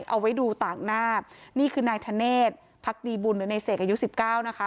เอาไว้ดูต่างหน้านี่คือนายธเนธพักดีบุญหรือในเสกอายุสิบเก้านะคะ